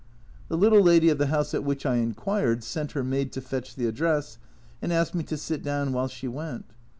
The little lady of the house at which I inquired sent her maid to fetch the address, and asked me to sit down while she went.